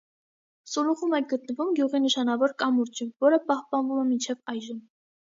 Սուլուխում է գտնվում գյուղի նշանավոր կամուրջը, որը պահպանվում է մինչև այժմ։